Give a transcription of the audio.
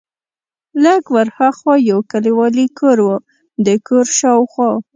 لږ ور ها خوا یو کلیوالي کور و، د کور شاوخوا.